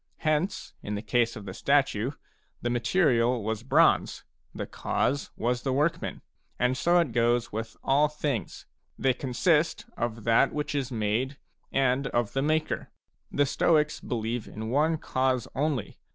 Hence, in the case of the statue, the material was bronze, the cause was the workman. And so it goes with all things, — they consist of that which is made, and of the maker. T he Stoics^believe in one cause only.